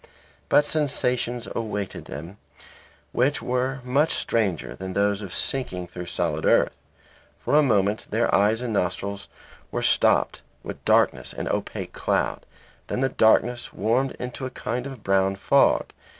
But sensations awaited them which were much stranger than those of sinking through the solid earth. For a moment their eyes and nostrils were stopped with darkness and opaque cloud; then the darkness warmed into a kind of brown fog.